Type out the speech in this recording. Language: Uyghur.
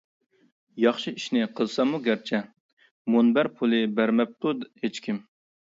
ياخشى ئىشنى قىلساممۇ گەرچە، مۇنبەر پۇلى بەرمەپتۇ ھېچكىم.